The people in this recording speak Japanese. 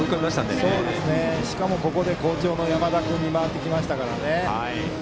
しかもここで好調の山田君に回ってきましたからね。